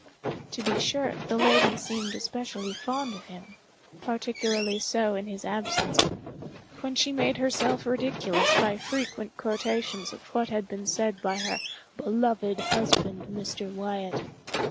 To be sure, the lady seemed especially fond of him—particularly so in his absence—when she made herself ridiculous by frequent quotations of what had been said by her "beloved husband, Mr. Wyatt."